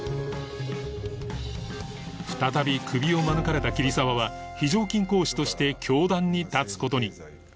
再びクビを免れた桐沢は非常勤講師として教壇に立つ事に